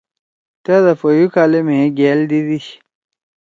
تأ دا پہُوکالے مھیئے گأل دیِدیِشی“